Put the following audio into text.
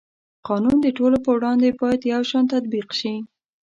قانون د ټولو په وړاندې باید یو شان تطبیق شي.